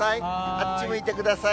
あっち向いてください。